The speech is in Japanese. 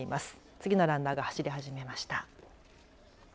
次のランナーが走り始めました。